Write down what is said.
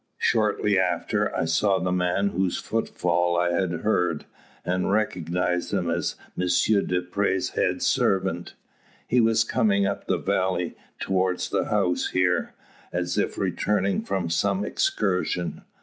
"Shortly after, I saw the man whose footfall I had heard, and recognised him as M. Dupre's head servant. He was coming up the valley, toward the house here, as if returning from some excursion.